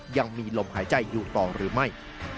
ยังมีลมหายใจอยู่ต่อหรือไม่